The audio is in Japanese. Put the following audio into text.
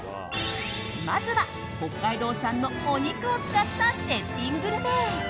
まずは北海道産のお肉を使った絶品グルメ。